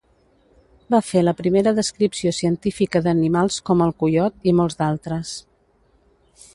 Va fer la primera descripció científica d'animals com el coiot i molts d'altres.